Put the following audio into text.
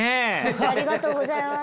ありがとうございます。